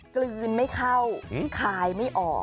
กลืนไม่เข้าคายไม่ออก